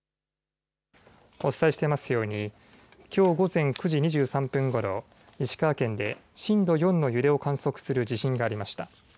お伝えしていますようにきょう午前９時２３分ごろ、石川県で震度４の揺れを観測する地震がありました。